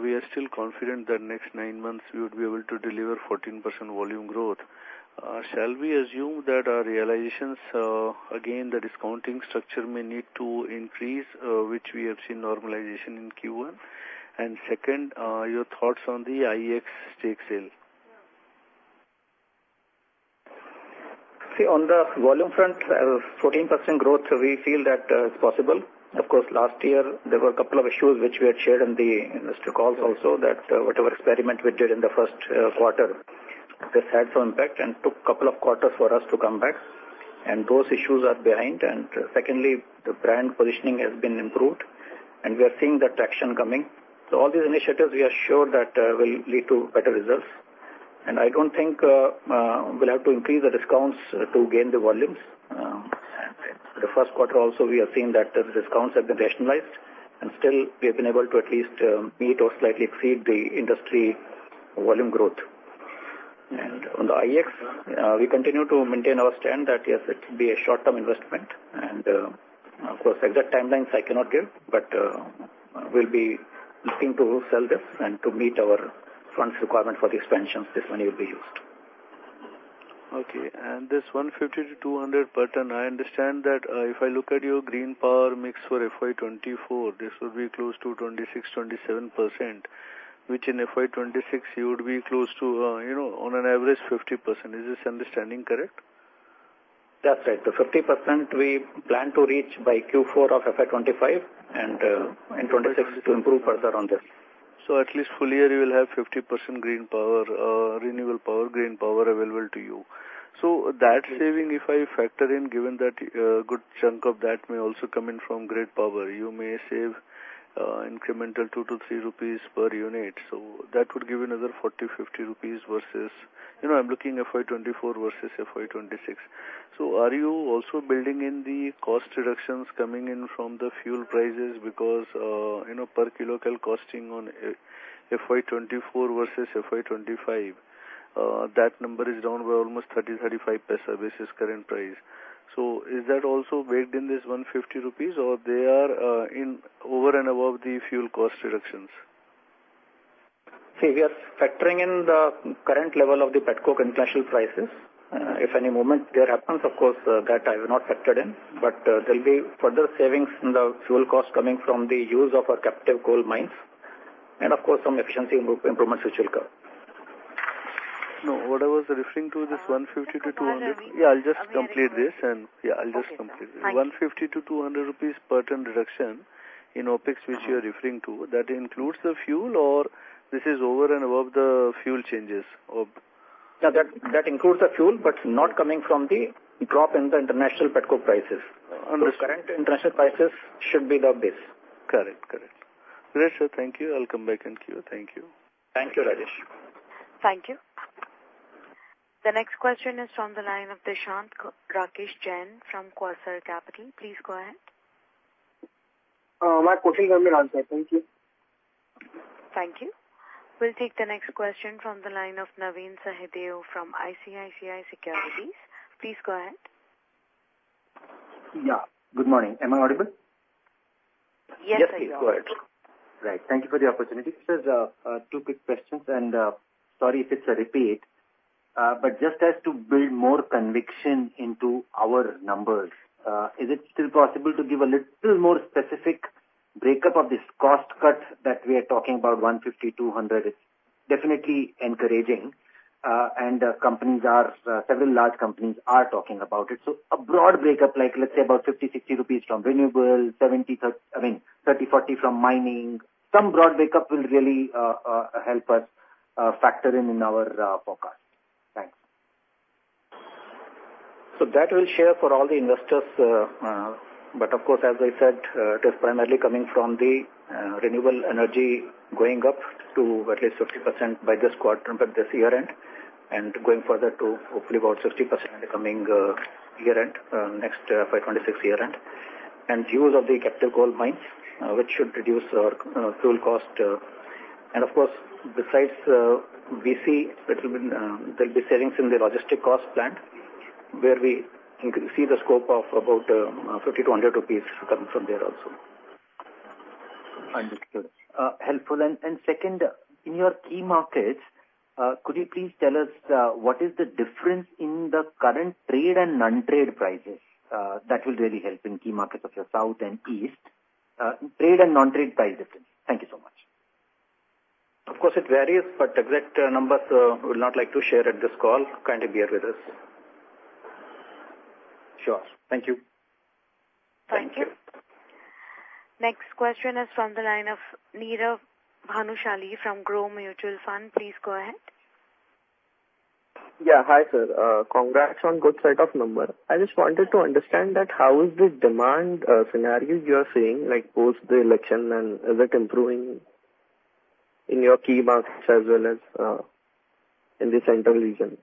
we are still confident that next nine months we would be able to deliver 14% volume growth. Shall we assume that our realizations again, the discounting structure may need to increase, which we have seen normalization in Q1? And second, your thoughts on the IEX stake sale. See, on the volume front, 14% growth, we feel that is possible. Of course, last year there were a couple of issues which we had shared in the industry calls also, that whatever experiment we did in the first quarter, this had some impact and took couple of quarters for us to come back, and those issues are behind. Secondly, the brand positioning has been improved, and we are seeing that traction coming. All these initiatives, we are sure that will lead to better results. And I don't think we'll have to increase the discounts to gain the volumes. The first quarter also, we have seen that the discounts have been rationalized, and still we have been able to at least meet or slightly exceed the industry volume growth. On the IEX, we continue to maintain our stand that, yes, it should be a short-term investment. Of course, exact timelines I cannot give, but we'll be looking to sell this and to meet our funds requirement for the expansion. This money will be used. Okay. This 150-200 per ton, I understand that, if I look at your green power mix for FY 2024, this will be close to 26-27%, which in FY 2026, you would be close to, you know, on an average, 50%. Is this understanding correct? That's right. The 50% we plan to reach by Q4 of FY 2025 and in 2026 to improve further on this. At least full year, you will have 50% green power, renewable power, green power available to you. That saving, if I factor in, given that, good chunk of that may also come in from grid power, you may save, incremental 2-3 rupees per unit. That would give another 40-50 rupees versus... You know, I'm looking FY 2024 versus FY 2026. Are you also building in the cost reductions coming in from the fuel prices? Because, you know, per kilo cost costing on FY 2024 versus FY 2025, that number is down by almost 0.30-0.35 versus current price. Is that also baked in this 150 rupees, or they are, in over and above the fuel cost reductions? See, we are factoring in the current level of the petcoke international prices. If any movement there happens, of course, that I have not factored in, but, there will be further savings in the fuel cost coming from the use of our captive coal mines, and of course, some efficiency improvements which will come. No, what I was referring to is this 150-200-- One minute-- Yeah, I'll just complete this. Yeah, I'll just complete. Okay. Thank you. 150-200 rupees per ton reduction in OpEx, which you are referring to, that includes the fuel, or this is over and above the fuel changes of-- No, that includes the fuel, but not coming from the drop in the international petcoke prices. Understood. The current international prices should be the base. Correct. Correct. Great, sir. Thank you. I'll come back in queue. Thank you. Thank you, Rajesh. Thank you. The next question is from the line of Dishant Jain from Quasar Capital. Please go ahead. My question has been answered. Thank you. Thank you. We'll take the next question from the line of Navin Sahadeo from ICICI Securities. Please go ahead. Yeah, good morning. Am I audible? Yes, we are. Yes, please go ahead. Right. Thank you for the opportunity. Just two quick questions, and sorry if it's a repeat. But just as to build more conviction into our numbers, is it still possible to give a little more specific breakup of this cost cuts that we are talking about, 150-200, is definitely encouraging. The companies are, several large companies are talking about it. A broad breakup, like, let's say, about 50-60 rupees from renewable, 70, I mean, 30-40 from mining. Some broad breakup will really help us factor in in our forecast. Thanks. That will share for all the investors, but of course, as I said, it is primarily coming from the renewable energy going up to at least 50% by this quadrant at this year-end, and going further to hopefully about 60% the coming year-end, next FY 2026 year-end. And use of the captive coal mines, which should reduce our fuel cost. Of course, besides, we see that will be, there'll be savings in the logistic cost plant, where we can see the scope of about 50-100 rupees coming from there also. Understood. Helpful. Second, in your key markets, could you please tell us what is the difference in the current trade and non-trade prices? That will really help in key markets of the South and East. Trade and non-trade price difference. Thank you so much. Of course, it varies, but exact numbers would not like to share at this call. Kindly bear with us. Sure. Thank you. Thank you. Next question is from the line of Niraj Bhanushali from Groww Mutual Fund. Please go ahead. Yeah. Hi, sir. Congrats on good set of number. I just wanted to understand that how is the demand scenario you are seeing, like, post the election, and is it improving in your key markets as well as in the central region?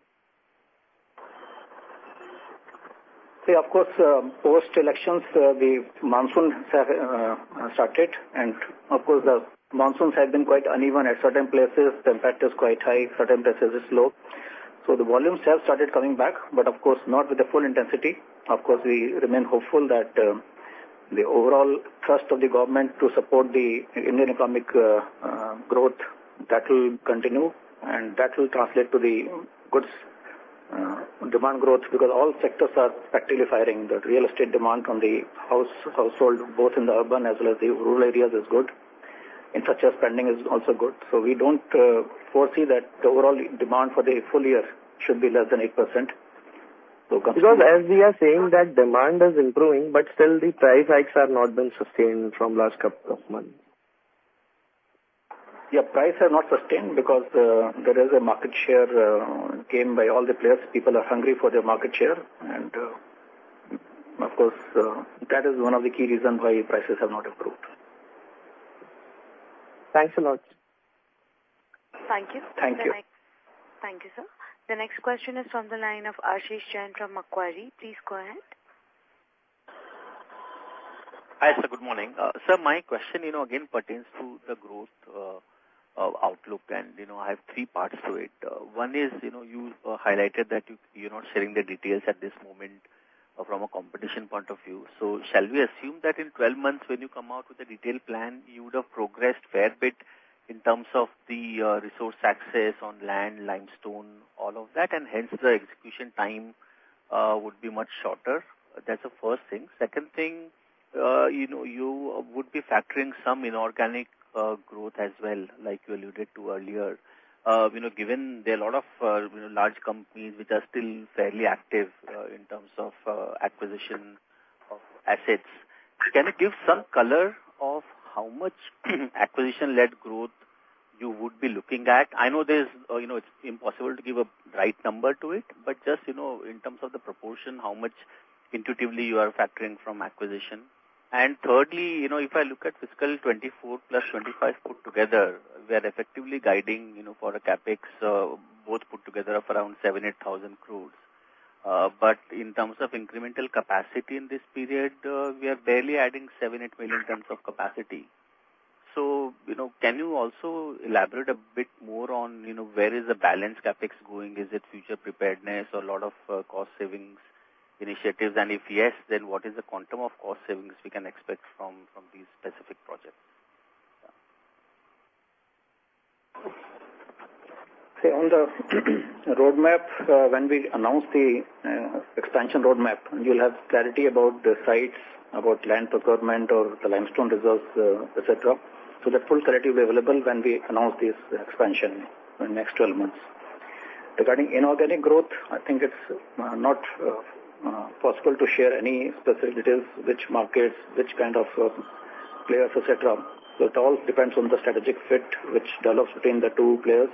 See, of course, post-elections, the monsoon started, and of course, the monsoons have been quite uneven at certain places. The impact is quite high, certain places is low. The volumes have started coming back, but of course, not with the full intensity. Of course, we remain hopeful that the overall trust of the government to support the Indian economic growth, that will continue, and that will translate to the goods demand growth. Because all sectors are practically firing. The real estate demand from the household, both in the urban as well as the rural areas, is good, and such as spending is also good. We don't foresee that the overall demand for the full year should be less than 8%. Because as we are saying, that demand is improving, but still the price hikes have not been sustained from last couple of months. Yeah, prices have not sustained because there is a market share gain by all the players. People are hungry for their market share. Of course, that is one of the key reasons why prices have not improved. Thanks a lot. Thank you. Thank you. Thank you, sir. The next question is from the line of Ashish Jain from Macquarie. Please go ahead. Hi, sir. Good morning. Sir, my question, you know, again, pertains to the growth outlook. You know, I have three parts to it. One is, you know, you highlighted that you, you're not sharing the details at this moment from a competition point of view. Shall we assume that in 12 months, when you come out with a detailed plan, you would have progressed fair bit in terms of the resource access on land, limestone, all of that, and hence the execution time would be much shorter? That's the first thing. Second thing, you know, you would be factoring some inorganic growth as well, like you alluded to earlier. You know, given there are a lot of, you know, large companies which are still fairly active in terms of acquisition of assets. Can you give some color of how much acquisition-led growth you would be looking at? I know there's, you know, it's impossible to give a right number to it, but just, you know, in terms of the proportion, how much intuitively you are factoring from acquisition. And thirdly, you know, if I look at fiscal 2024 + 2025 put together, we are effectively guiding, you know, for a CapEx both put together of around 7,000-8,000 crore. But in terms of incremental capacity in this period, we are barely adding 7-8 million in terms of capacity. You know, can you also elaborate a bit more on, you know, where is the balance CapEx going? Is it future preparedness or a lot of cost savings initiatives? If yes, then what is the quantum of cost savings we can expect from these specific projects? See, on the roadmap, when we announce the expansion roadmap, you'll have clarity about the sites, about land procurement or the limestone reserves, et cetera. The full clarity will be available when we announce this expansion in next 12 months. Regarding inorganic growth, I think it's not possible to share any specific details, which markets, which kind of players, et cetera. It all depends on the strategic fit, which develops between the two players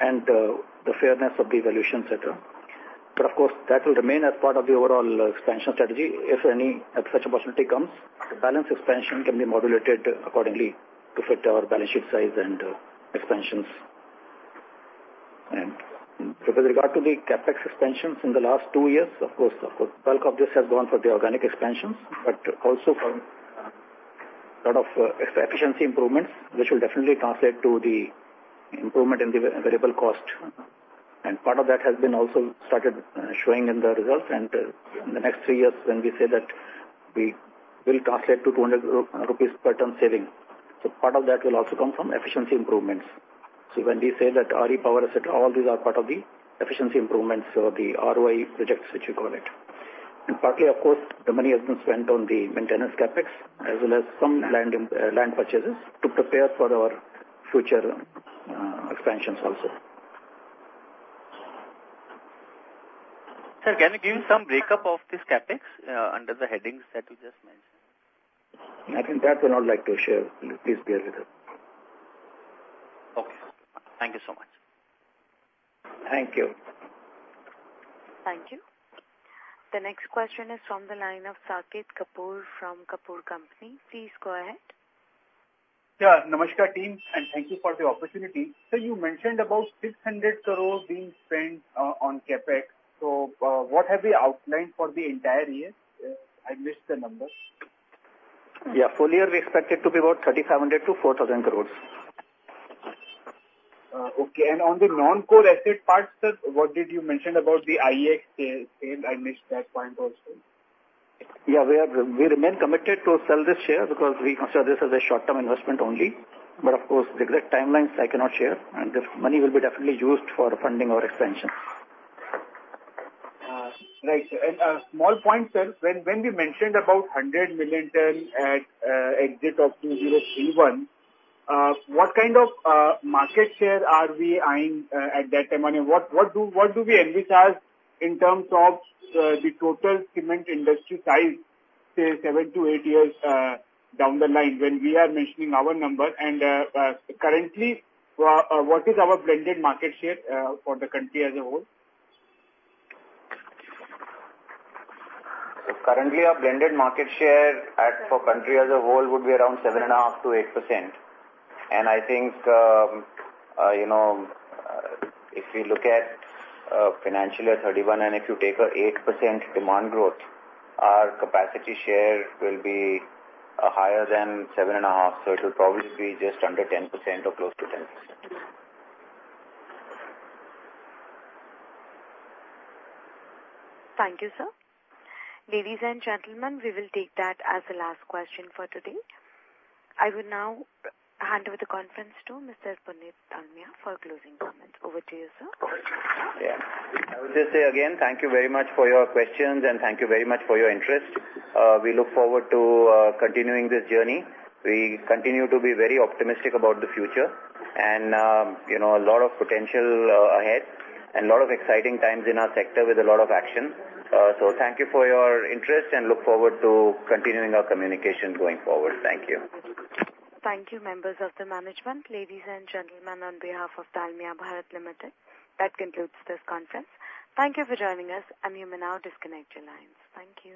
and the fairness of the evaluation, et cetera. But of course, that will remain as part of the overall expansion strategy. If any such opportunity comes, the balance expansion can be modulated accordingly to fit our balance sheet size and expansions. With regard to the CapEx expansions in the last two years, of course, of course, bulk of this has gone for the organic expansions, but also from lot of efficiency improvements, which will definitely translate to the improvement in the variable cost. Part of that has been also started showing in the results. In the next three years, when we say that we will translate to 200 rupees per ton saving, so part of that will also come from efficiency improvements. When we say that RE power asset, all these are part of the efficiency improvements or the ROI projects, which you call it. Partly, of course, the money has been spent on the maintenance CapEx, as well as some land, land purchases to prepare for our future expansions also. Sir, can you give some break-up of this CapEx under the headings that you just mentioned? I think that we're not likely to share. Please bear with it. Okay. Thank you so much. Thank you. Thank you. The next question is from the line of [Saket Kapoor from Kapoor & Co]. Please go ahead. Yeah, namaskar team, and thank you for the opportunity. Sir, you mentioned about 600 crore being spent on CapEx. What have we outlined for the entire year? I missed the number. Yeah, full year, we expect it to be about 37,000-4,000 crores. Okay. On the non-core asset part, sir, what did you mention about the IEX sale? I missed that point also. Yeah, we remain committed to sell this share because we consider this as a short-term investment only. But of course, the exact timelines I cannot share, and this money will be definitely used for funding our expansion. Right. A small point, sir. When we mentioned about 100 million ton at the exit of 2031, what kind of market share are we eyeing at that time? I mean, what do we envisage in terms of the total cement industry size, say, 7-8 years down the line when we are mentioning our number? Currently, what is our blended market share for the country as a whole? Currently, our blended market share at, for country as a whole would be around 7.5%-8%. I think, you know, if we look at, financial year 2031, and if you take a 8% demand growth, our capacity share will be, higher than 7.5. It will probably be just under 10% or close to 10%. Thank you, sir. Ladies and gentlemen, we will take that as the last question for today. I will now hand over the conference to Mr. Puneet Dalmia for closing comments. Over to you, sir. Yeah. I would just say again, thank you very much for your questions, and thank you very much for your interest. We look forward to continuing this journey. We continue to be very optimistic about the future and, you know, a lot of potential ahead and a lot of exciting times in our sector with a lot of action. Thank you for your interest, and look forward to continuing our communication going forward. Thank you. Thank you, members of the management. Ladies and gentlemen, on behalf of Dalmia Bharat Limited, that concludes this conference. Thank you for joining us, and you may now disconnect your lines. Thank you.